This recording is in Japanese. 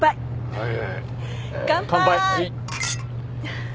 はい。